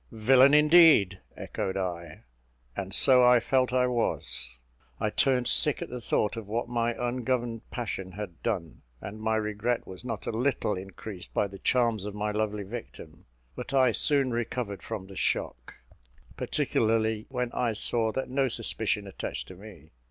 "Villain, indeed," echoed I; and so I felt I was. I turned sick at the thought of what my ungoverned passion had done; and my regret was not a little increased by the charms of my lovely victim; but I soon recovered from the shock, particularly when I saw that no suspicion attached to me.